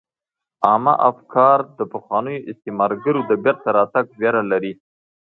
عامه افکار د پخوانیو استعمارګرو د بیرته راتګ ویره لري